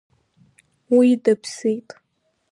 Уи дыԥсит.